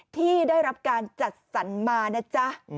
ที่ได้รับการจัดสรรมานะจ๊ะ